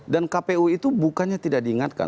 dan kpu itu bukannya tidak diingatkan